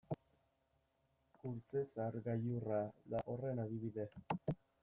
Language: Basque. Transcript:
Kurtzezar gailurra da horren adibide.